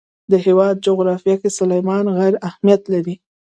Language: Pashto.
د هېواد جغرافیه کې سلیمان غر اهمیت لري.